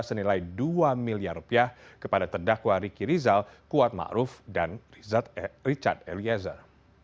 senilai dua miliar rupiah kepada terdakwa ricky rizal kuat ma'ruf dan richard eliezer